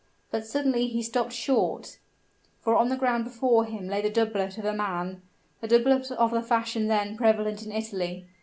But suddenly he stopped short, for on the ground before him lay the doublet of a man a doublet of the fashion then prevalent in Italy.